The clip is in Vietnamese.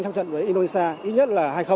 trong trận với indonesia ít nhất là hai